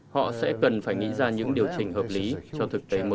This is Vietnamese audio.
họ sẽ cần phải nghĩ ra những điều chỉnh hợp lý cho thực tế mới